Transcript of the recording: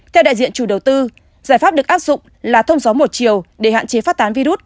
theo đại diện chủ đầu tư giải pháp được áp dụng là thông gió một chiều để hạn chế phát tán virus